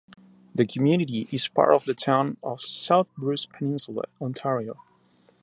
The community is part of the town of South Bruce Peninsula, Ontario.